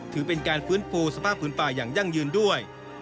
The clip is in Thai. ถือเป็นการฟื้นฟูสภาพพื้นป่าอย่างยั่งยืนด้วย